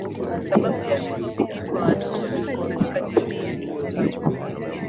Sababu ya vifo vingi kwa watoto wachanga katika jamii ya kimasai